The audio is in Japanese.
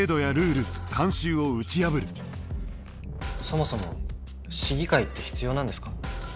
そもそも市議会って必要なんですか？